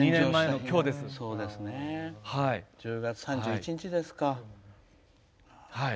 １０月３１日ですか。